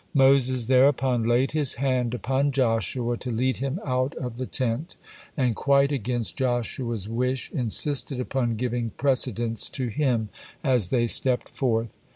Moses thereupon laid his hand upon Joshua to lead him out of the tent, and quite against Joshua's wish insisted upon giving precedence to him as they stepped forth.